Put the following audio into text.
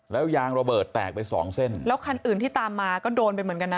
แล้วยางระเบิดแตกไปสองเส้นแล้วคันอื่นที่ตามมาก็โดนไปเหมือนกันนะ